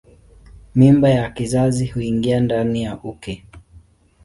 Mimba ya kizazi huingia ndani ya uke.